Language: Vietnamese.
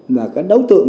là cái đấu tượng